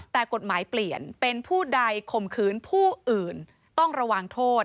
แต่กฎหมายเปลี่ยนเป็นผู้ใดข่มขืนผู้อื่นต้องระวังโทษ